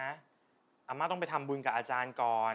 อาม่าต้องไปทำบุญกับอาจารย์ก่อน